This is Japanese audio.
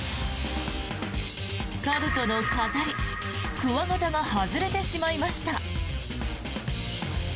かぶとの飾り、鍬形が外れてしまいました。